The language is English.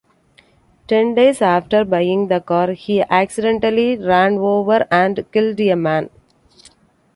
Ten days after buying the car, he accidentally ran over and killed a man.